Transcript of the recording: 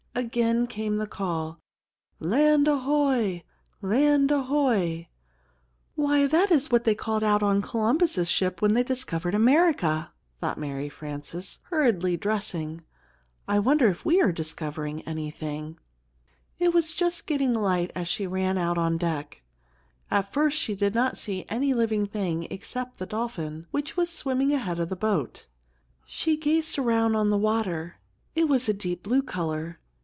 Again came the call, "Land ahoy! Land ahoy!" "Why, that is what they called out on Columbus' ship when they discovered America!" thought Mary Frances, hurriedly dressing. "I wonder if we are discovering anything." It was just getting light as she ran out on deck. At first she did not see any living thing except the dolphin, which was swimming ahead of the boat. She gazed around on the water. It was a deep blue color.